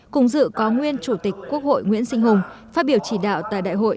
cùng dự có nguyên chủ tịch quốc hội nguyễn sinh hùng phát biểu chỉ đạo tại đại hội